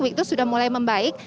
wiktus sudah mulai membaik